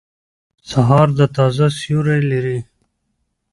سهار د تازه سیوری لري.